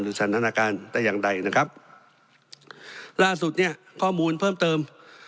สถานการณ์แต่อย่างใดนะครับล่าสุดเนี่ยข้อมูลเพิ่มเติม